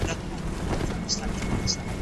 ادئب د خپلو الفاظو له لارې نوی ژوند رامنځته کوي.